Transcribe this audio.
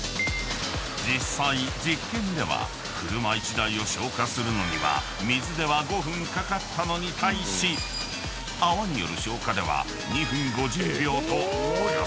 ［実際実験では車１台を消火するのには水では５分かかったのに対し泡による消火では２分５０秒とおよそ半分の早さで消火］